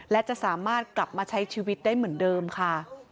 และจะสามารถกลับมาใช้ชีวิตได้เหมือนเดิมค่ะ